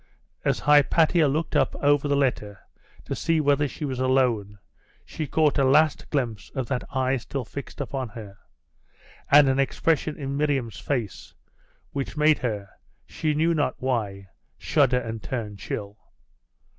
As Hypatia looked up over the letter to see whether she was alone, she caught a last glance of that eye still fixed upon her, and an expression in Miriam's face which made her, she knew not why, shudder and turn chill.